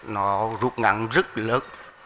nó rụt ngắn rất lớn